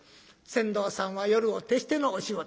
船頭さんは夜を徹してのお仕事